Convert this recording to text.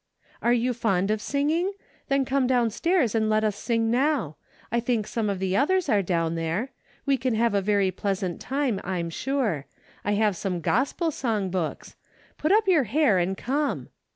"Are you fond of singing? Then come downstairs and let us sing now. I think some of the others are down there. We can have a very pleasant time, I'm sure. I have some Gospel song books. Put up your hair and come."